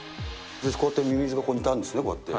こうやってミミズがいたんですね、こうやって。